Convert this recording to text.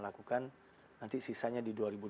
lakukan nanti sisanya di